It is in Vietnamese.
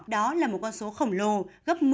đó là một con số khổng lồ gấp